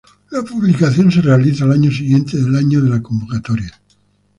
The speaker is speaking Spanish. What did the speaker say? La publicación se realiza al año siguiente del año de la convocatoria.